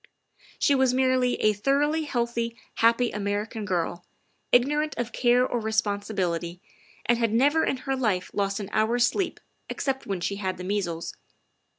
She was merely a thoroughly healthy, happy American girl, ignorant of care or responsibility, and had never in her life lost an hour's sleep except when she had the measles.